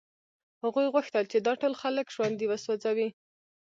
هغوی غوښتل چې دا ټول خلک ژوندي وسوځوي